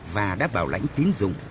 và đã bảo lãnh tiến dụng